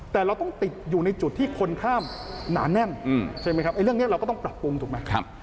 แต่เราต้องติดอยู่ในจุดที่คนข้ามหนาแน่นใช่ไหมครับเรื่องนี้เราก็ต้องปรับปรุงถูกไหม